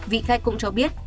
vị khách cũng cho biết